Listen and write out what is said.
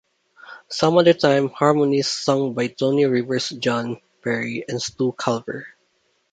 "Some Other Time" harmonies sung by Tony Rivers, John Perry and Stu Calver.